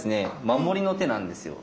守りの手なんですよ。